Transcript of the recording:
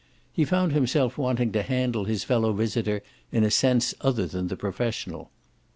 He found himself wanting to handle his fellow visitor in a sense other than the professional.